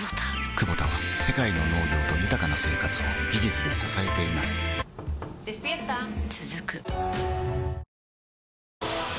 クボタは世界の農業と豊かな生活を技術で支えています起きて。